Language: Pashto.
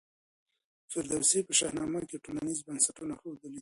فردوسي په شاهنامه کي ټولنیز بنسټونه ښودلي دي.